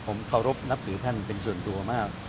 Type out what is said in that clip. ผมเคารพนับถือท่านเป็นส่วนตัวมาก